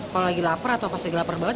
kalau lagi lapar atau pas lagi lapar banget